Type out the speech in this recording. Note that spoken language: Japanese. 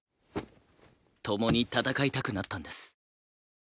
共に戦いたくなったんです。